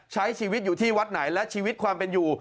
ใช้ชีวิตอยู่ที่วัดไหนและชีวิตความเป็นอยู่